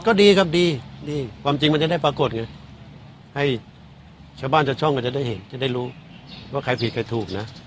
ก็ดีครับดีดีความจริงมันจะได้ปรากฏไงให้ชาวบ้านชาวช่องก็จะได้เห็นจะได้รู้ว่าใครผิดใครถูกนะ